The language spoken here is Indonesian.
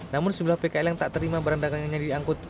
namun sejumlah pkl yang tak terima barang dagangnya diangkut